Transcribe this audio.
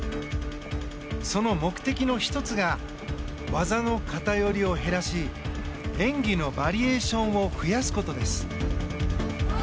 その目的の１つが技の偏りを減らし演技のバリエーションを増やすことです。